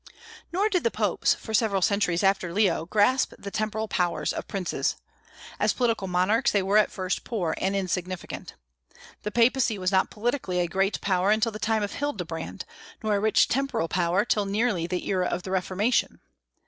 Nor did the popes, for several centuries after Leo, grasp the temporal powers of princes. As political monarchs they were at first poor and insignificant. The Papacy was not politically a great power until the time of Hildebrand, nor a rich temporal power till nearly the era of the Reformation.